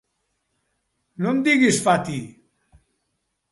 No em diguis Fati!